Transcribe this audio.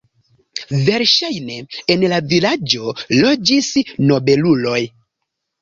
Verŝajne en la vilaĝo loĝis nobeluloj.